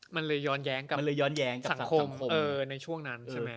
มันเลยย้อนแย้งกับสังคมในช่วงนั้นใช่มั้ย